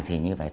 thì như vậy là